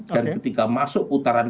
dan ketika masuk putaran